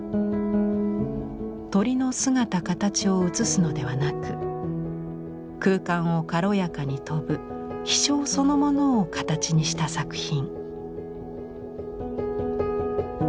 鳥の姿形を写すのではなく空間を軽やかに飛ぶ「飛翔」そのものを形にした作品。